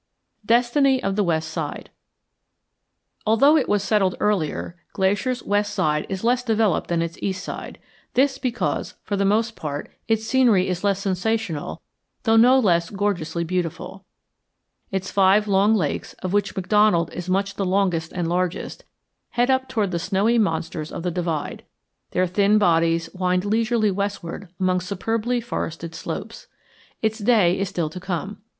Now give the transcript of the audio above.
DESTINY OF THE WEST SIDE Although it was settled earlier, Glacier's west side is less developed than its east side; this because, for the most part, its scenery is less sensational though no less gorgeously beautiful. Its five long lakes, of which McDonald is much the longest and largest, head up toward the snowy monsters of the divide; their thin bodies wind leisurely westward among superbly forested slopes. Its day is still to come.